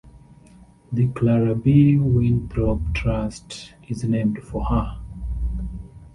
The Clara B. Winthrop Trust is named for her.